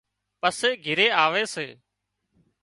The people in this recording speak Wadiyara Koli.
پسي گھري آوي سي